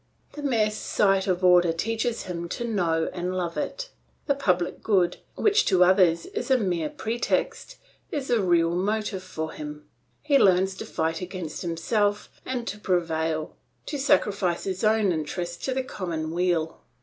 The mere sight of order teaches him to know and love it. The public good, which to others is a mere pretext, is a real motive for him. He learns to fight against himself and to prevail, to sacrifice his own interest to the common weal.